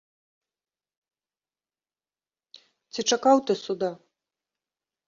Ці чакаў ты суда?